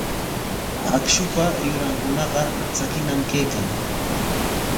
Akshupa yurankunaqa tsakiñam kaykan.